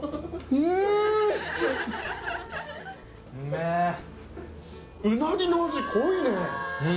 うめえうなぎの味濃いね